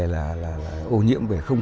về cái môi trường